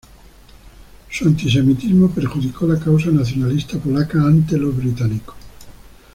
Su antisemitismo perjudicó la causa nacionalista polaca ante los británicos.